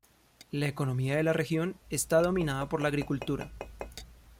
La economía de la región está dominada por la agricultura.